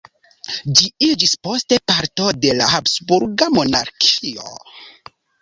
Ĝi iĝis poste parto de la Habsburga Monarĥio tiel poste tiu de Aŭstrio-Hungario.